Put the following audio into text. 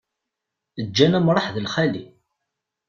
Ǧǧan amṛaḥ d lxali.